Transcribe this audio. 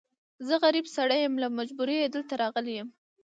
زه غريب سړی يم، له مجبوری دلته راغلی يم.